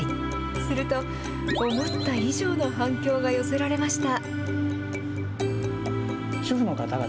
すると、思った以上の反響が寄せられました。